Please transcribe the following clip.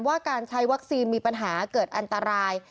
ว่าการใช้วัคซีนมีปัญหาเกิดอันตราย